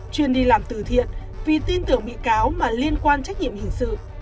chuyên đi làm từ thiện vì tin tưởng bị cáo mà liên quan trách nhiệm hình sự